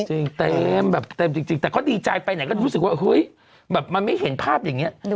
จริงแตมแต่ก็ดีใจไอหน่อยก็รู้สึกว่าเฮ้ยแม่งไม่เห็นภาพอย่างนี้